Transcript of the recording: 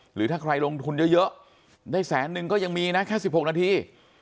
หรือถ้าใครลงทุนเยอะได้แสนนึงก็ยังมีนะแค่๑๖นาที